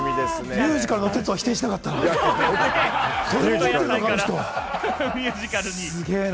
ミュージカルの哲は否定しなかった、すげえな。